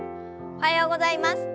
おはようございます。